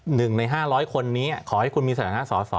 หนึ่งใน๕๐๐คนนี้ขอให้คุณมีศาลงานสอสอ